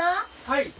はい。